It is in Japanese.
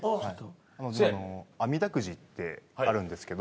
あのあみだくじってあるんですけど。